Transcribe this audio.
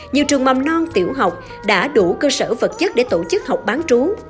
nhiều trường mầm non tiểu học đã đủ cơ sở vật chất để tổ chức học bán trú